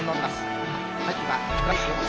はい。